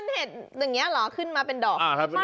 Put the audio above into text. เห็ดอย่างนี้เหรอขึ้นมาเป็นดอก